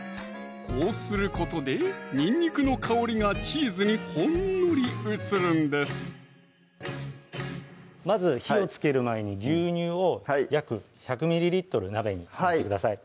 こうすることでにんにくの香りがチーズにほんのり移るんですまず火をつける前に牛乳を約１００ｍｌ鍋に入れてください